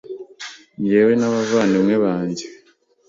njyewe n’abavandimwe banjye,